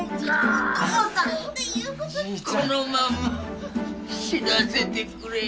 このまま死なせてくれ。